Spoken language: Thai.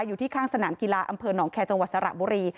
อยู่ที่ข้างสนามกีฬาอำเภอหนองแคร์จังหวัดสระบุรี